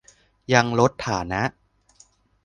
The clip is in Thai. ยังลดฐานะ